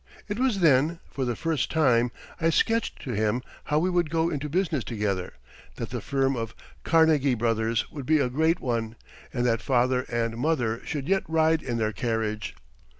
It was then, for the first time, I sketched to him how we would go into business together; that the firm of "Carnegie Brothers" would be a great one, and that father and mother should yet ride in their carriage.